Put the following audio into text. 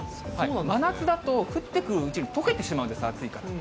真夏だと降ってくるうちにとけてしまうんです、暑いから。